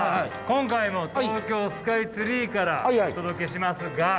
今回も東京スカイツリーからお届けしますが。